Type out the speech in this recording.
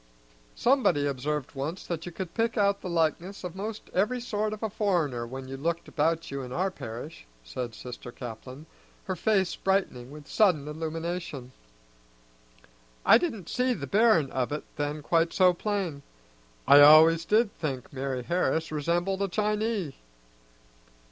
"Somebody observed once that you could pick out the likeness of 'most every sort of a foreigner when you looked about you in our parish," said Sister Caplin, her face brightening with sudden illumination. "I didn't see the bearin' of it then quite so plain. I always did think Mari' Harris resembled a Chinee."